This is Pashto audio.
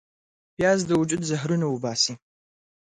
پیاز د وجود زهرونه وباسي